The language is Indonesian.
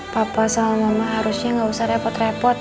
papa sama mama harusnya gak usah repot repot